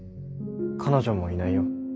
彼女もいないよ。